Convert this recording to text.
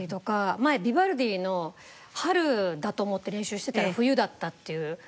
前ヴィヴァルディの『春』だと思って練習してたら『冬』だったっていう。